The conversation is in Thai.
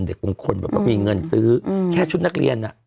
บางคนแบบว่ามีเงินซื้อแค่ชุดนักเรียน